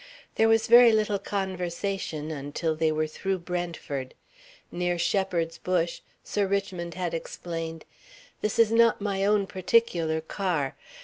There was very little conversation until they were through Brentford. Near Shepherd's Bush, Sir Richmond had explained, "This is not my own particular car.